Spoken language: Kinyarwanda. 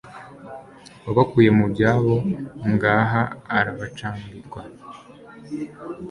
Wabakuye mu byabo Ngaha arabacambirwa*